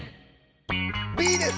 Ｂです。